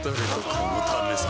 このためさ